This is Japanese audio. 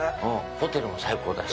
ホテルも最高だし。